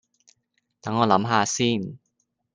等我諗吓先